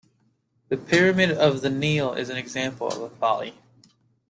The Pyramid of The Neale is an example of a folly.